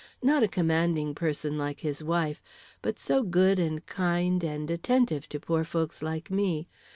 "Not a commanding person, like his wife, but so good and kind and attentive to poor folks like me.